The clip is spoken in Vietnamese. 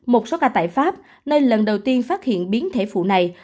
một số ca tại pháp nơi lần đầu tiên phát hiện biến thể phụ này